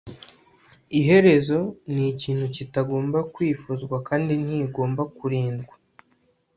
iherezo ni ikintu kitagomba kwifuzwa kandi ntigomba kwirindwa